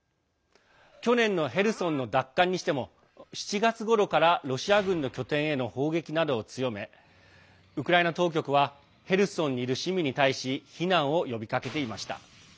去年のヘルソンの奪還にしても７月ごろからロシア軍の拠点への砲撃などを強めウクライナ当局はヘルソンにいる市民に対し避難を呼びかけていました。